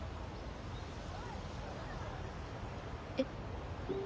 えっ。